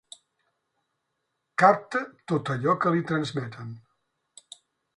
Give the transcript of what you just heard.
Capta tot allò que li transmeten.